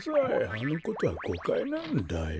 あのことはごかいなんだよ。